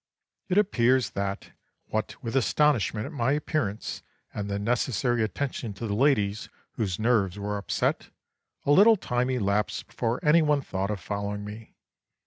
It appears that, what with astonishment at my appearance, and the necessary attentions to the ladies whose nerves were upset, a little time elapsed before any one thought of following me.